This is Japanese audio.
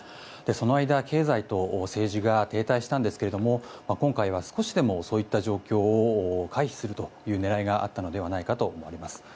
その間経済と政治が停滞したんですが今回は少しでもそういった状況を回避するという狙いがあったのではないかと思われます。